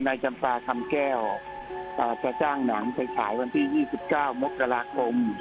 ในจำปลาคำแก้วตราชาจ้างหนังจะขายวันที่ยี่สิบเก้ามกราคม